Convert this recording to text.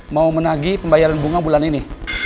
mau menagi pembayaran bunga bulan ini